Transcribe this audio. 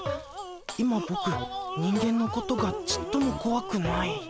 今ボク人間のことがちっともこわくない？